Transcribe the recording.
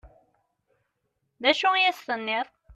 D acu i as-tenniḍ?